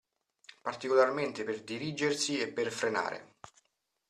Particolarmente per dirigersi e per frenare.